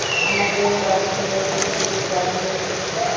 আমাদের কাছে কিন্তু ক্যাসেট নেই।